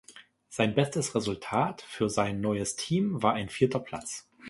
Sein bestes Resultat für sein neues Team war ein vierter Platz.